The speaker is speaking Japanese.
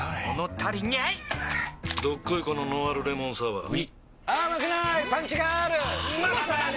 どっこいこのノンアルレモンサワーうぃまさに！